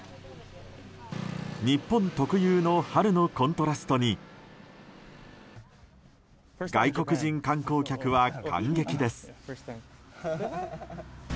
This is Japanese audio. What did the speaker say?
日本特有の春のコントラストに外国人観光客は感激です。